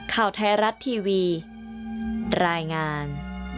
ข่าวไทยรัฐทีวีรายงาน